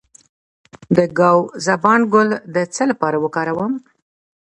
د ګاو زبان ګل د څه لپاره وکاروم؟